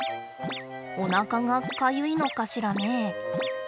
おなかがかゆいのかしらね。